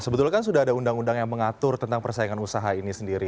sebetulnya kan sudah ada undang undang yang mengatur tentang persaingan usaha ini sendiri